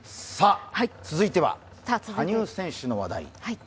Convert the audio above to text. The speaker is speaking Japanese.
続いては羽生選手の話題。